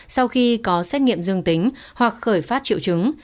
sau khi có xét nghiệm dương tính hoặc khởi phát triệu chứng